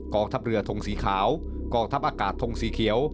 องทัพเรือทงสีขาวกองทัพอากาศทงสีเขียว